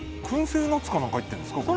燻製ナッツかなんか入ってるんですか？